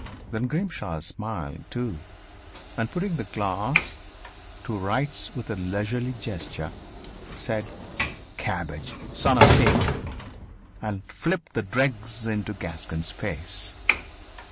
Then Grimshaw smiled, too, and putting the glass to rights with a leisurely gesture, said, "Cabbage. Son of pig," and flipped the dregs into the Gascon's face.